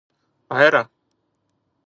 Αέρα!